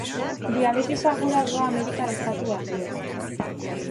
Diabetesa gora doa Amerikar Estatu Batuetan.